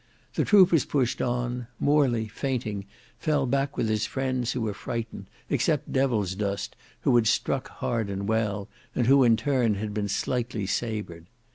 The troopers pushed on; Morley fainting fell back with his friends who were frightened, except Devilsdust, who had struck hard and well, and who in turn had been slightly sabred.